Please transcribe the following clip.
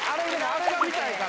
あれが見たいから。